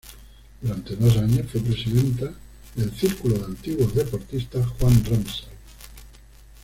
Durante dos años fue presidenta del "Círculo de antiguos deportistas Juan Ramsay".